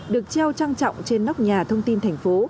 được treo trang trọng trên nóc nhà thông tin thành phố